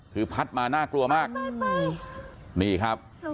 คือพัดมาน่ากลัวมากนี่ครับ